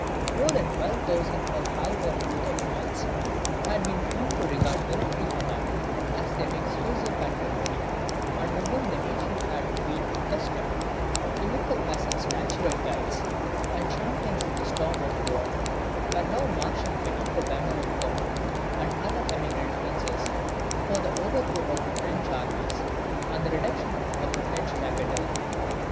More than twelve thousand of the high born youth of France, who had been trained to regard military command as their exclusive patrimony, and to whom the nation had been accustomed to look up as its natural guides and champions in the storm of war; were now marshalled beneath the banner of Conde and the other emigrant princes, for the overthrow of the French armies, and the reduction of the French capital.